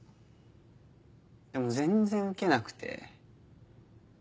でも全然ウケなくて。